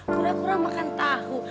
pura pura makan tahu